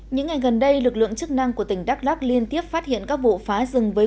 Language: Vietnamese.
những ngày gần đây lực lượng chức năng của tỉnh đắk lắc liên tiếp phát hiện các vụ phá rừng với